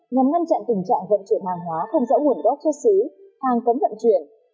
nhằm ngăn chặn tình trạng vận chuyển hàng hóa không dẫu nguồn gốc chế sứ hàng cấm vận chuyển